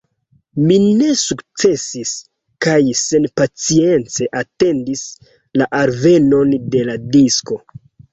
Mi ne sukcesis, kaj senpacience atendis la alvenon de la disko.